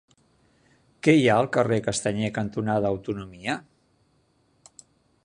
Què hi ha al carrer Castanyer cantonada Autonomia?